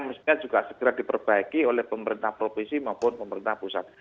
mestinya juga segera diperbaiki oleh pemerintah provinsi maupun pemerintah pusat